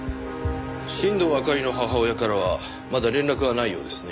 新堂明里の母親からはまだ連絡がないようですね。